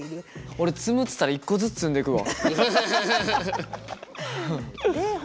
俺積むっつったら一個ずつ積んでいくわ。